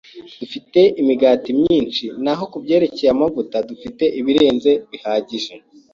Dufite imigati myinshi, naho kubyerekeye amavuta, dufite ibirenze bihagije.